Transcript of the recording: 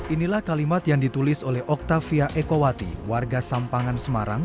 inilah kalimat yang ditulis oleh oktavia ekowati warga sampangan semarang